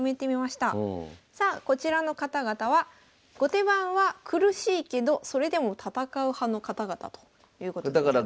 さあこちらの方々は後手番は苦しいけどそれでも戦う派の方々ということになります。